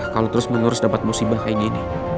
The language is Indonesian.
kalau terus menerus dapat musibah kayak gini